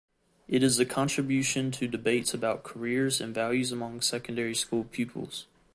It is a contribution to debates about careers and values among secondary school pupils.